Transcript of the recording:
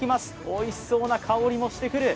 おいしそうな香りもしてくる。